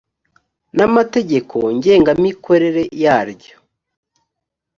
n amategeko ngengamikorere yaryo